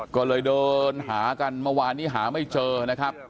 ก็เลยเดินหากันเมื่อวานนี้หาไม่เจอนะครับ